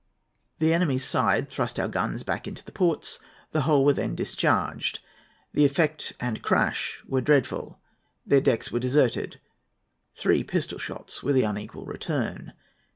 The enemy's side thrust our guns back into the ports. The whole were then discharged. The effect and crash were dreadful. Their decks were deserted. Three pistol shots were the unequal return.